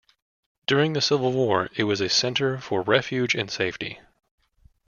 During the civil war it was a centre for refuge and safety.